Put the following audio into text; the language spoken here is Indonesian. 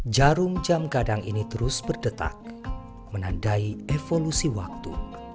jarum jam kadang ini terus berdetak menandai evolusi waktu